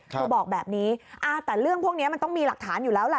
แต่เรื่องพวกนี้ต้องมีให้เหล่านู่แลล่ะ